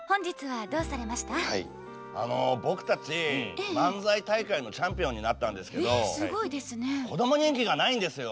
あの僕たち漫才大会のチャンピオンになったんですけどこども人気がないんですよ。